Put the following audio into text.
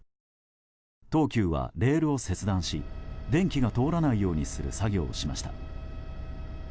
東急はレールを切断し電気が通らないようにする作業をしました。